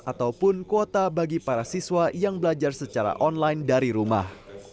ataupun kuota bagi para siswa yang belajar secara online dari rumah